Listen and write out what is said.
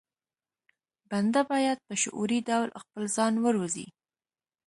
بنده بايد په شعوري ډول خپل ځان وروزي.